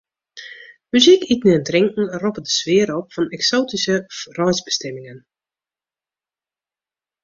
Muzyk, iten en drank roppe de sfear op fan eksoatyske reisbestimmingen.